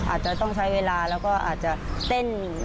อาจจะต้องใช้เวลาแล้วก็อาจจะเต้น